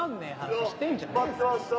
よっ待ってました！